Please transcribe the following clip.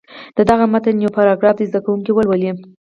د دغه متن یو یو پاراګراف دې زده کوونکي ولولي.